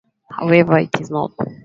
However it is not.